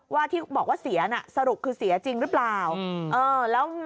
ว่าที่บอกว่าเสียน่ะสรุปคือเสียจริงหรือเปล่า